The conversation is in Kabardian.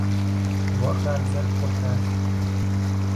Уэ хабзэр пкъутащ.